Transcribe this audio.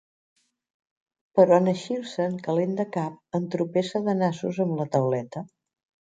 Però en eixir-se'n, calent de cap, entropessa de nassos amb la tauleta.